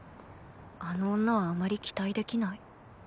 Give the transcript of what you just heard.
あの女はあまり期待できない